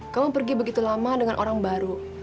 kamu pergi begitu lama dengan orang baru